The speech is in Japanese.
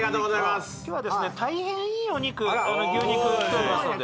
今日はですね大変いいお肉牛肉来ておりますので。